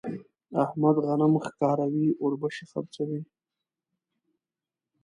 احمد غنم ښکاروي ـ اوربشې خرڅوي.